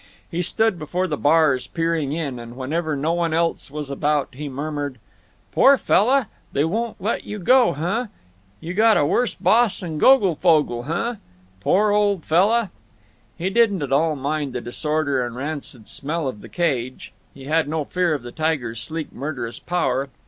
He stood before the bars, peering in, and whenever no one else was about he murmured: "Poor fella, they won't let you go, heh? You got a worse boss 'n Goglefogle, heh? Poor old fella." He didn't at all mind the disorder and rancid smell of the cage; he had no fear of the tiger's sleek murderous power.